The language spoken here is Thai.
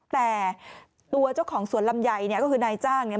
แต่ตัวเจ้าของสวนลำไยเนี่ยก็คือนายจ้างเนี่ย